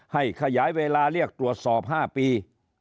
ขยายเวลาเรียกตรวจสอบ๕ปี